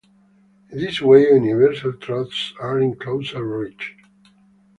In this way universal truths are in closer reach.